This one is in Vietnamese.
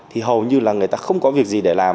thì hầu như là người ta không có việc gì để làm